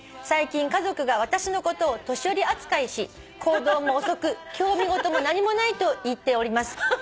「最近家族が私のことを年寄り扱いし行動も遅く興味ごとも何もないと言っております」